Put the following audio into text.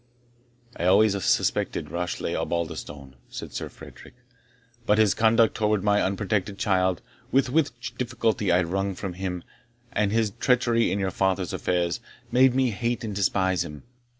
"I always suspected Rashleigh Osbaldistone," said Sir Frederick; "but his conduct towards my unprotected child, which with difficulty I wrung from her, and his treachery in your father's affairs, made me hate and despise him.